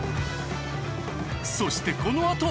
そしてこのあと。